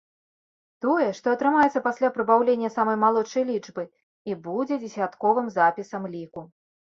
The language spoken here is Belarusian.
Тое, што атрымаецца пасля прыбаўлення самай малодшай лічбы, і будзе дзесятковым запісам ліку.